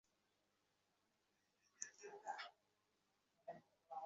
নারীরা বিভিন্ন ক্ষেত্রে এগিয়ে এলেও এখনো বহু ক্ষেত্রে বৈষম্যের শিকার হচ্ছে।